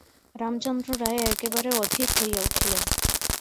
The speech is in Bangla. রামচন্দ্র রায় একেবারে অধীর হইয়া উঠিলেন।